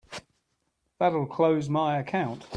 That'll close my account.